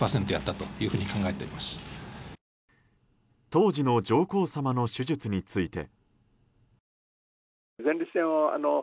当時の上皇さまの手術について。